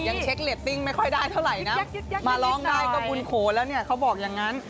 ยังเช็คเรตติ้งไม่ค่อยได้เท่าไหร่นะมาร้องได้ก็บุญโขแล้วเนี่ยเขาบอกอย่างนั้น